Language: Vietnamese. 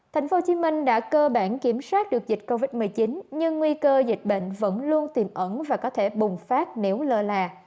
thành phố hồ chí minh đã cơ bản kiểm soát được dịch covid một mươi chín nhưng nguy cơ dịch bệnh vẫn luôn tiềm ẩn và có thể bùng phát nếu lỡ là